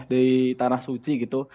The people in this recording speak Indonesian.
di tanah suci gitu